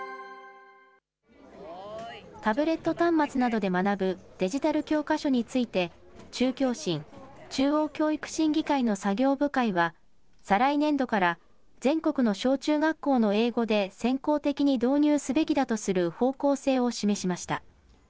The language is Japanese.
タブレット端末などで学ぶデジタル教科書について、中教審・中央教育審議会の作業部会は、再来年度から全国の小中学校の英語で先行的に導入すべきだとする方向性を示しました。